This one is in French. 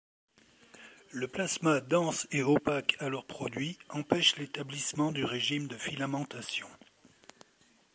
Le plasma dense et opaque alors produit empêche l'établissement du régime de filamentation.